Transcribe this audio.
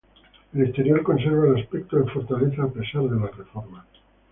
El exterior conserva el aspecto de fortaleza a pesar de las reformas.